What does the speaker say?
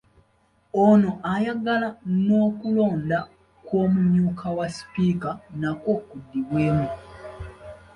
Ono ayagala n’okulonda kw’omumyuka wa sipiika nakwo kuddibwemu .